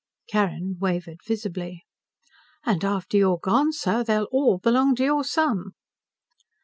Carrin wavered visibly. "And after you're gone, sir, they'll all belong to your son."